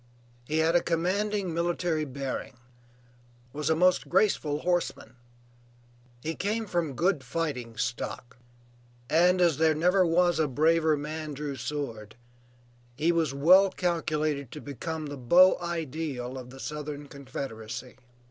He had a commanding military bearing, was a most graceful horseman; he came from good "fighting stock," and as there never was a braver man drew sword, he was well calculated to become the beau ideal of the Southern Confederacy.